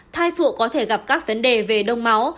thai phụ có thể gặp các vấn đề về đông máu